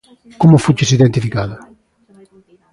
Como fuches identificado?